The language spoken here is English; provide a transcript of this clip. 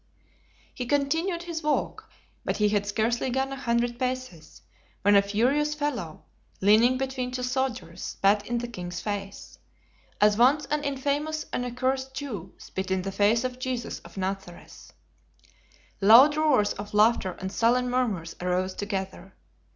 He continued his walk, but he had scarcely gone a hundred paces, when a furious fellow, leaning between two soldiers, spat in the king's face, as once an infamous and accursed Jew spit in the face of Jesus of Nazareth. Loud roars of laughter and sullen murmurs arose together.